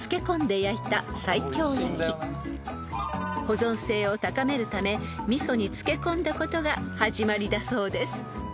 ［保存性を高めるため味噌に漬け込んだことが始まりだそうです］